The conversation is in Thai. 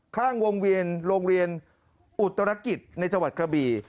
ข้างวงเวียนโรงเรียนอุตรกิจในจังหวัดกระบี่